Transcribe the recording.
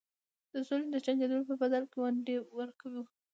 د سولي د ټینګېدلو په بدل کې ونډې ورکوو.